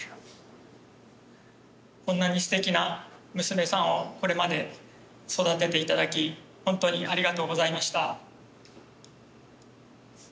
こんなにステキな娘さんをこれまで育てて頂き本当にありがとうございました。